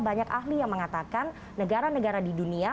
banyak ahli yang mengatakan negara negara di dunia